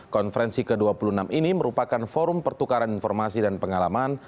konferensi ke dua puluh enam ini merupakan forum pertukaran informasi dan pengalaman